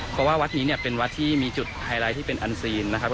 เพราะว่าวัดนี้เนี่ยเป็นวัดที่มีจุดไฮไลท์ที่เป็นอันซีนนะครับ